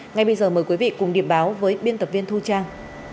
ngay bây giờ mời quý vị cùng điểm báo với biên tập viên thu trang